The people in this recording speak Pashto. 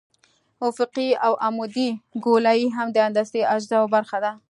افقي او عمودي ګولایي هم د هندسي اجزاوو برخه ده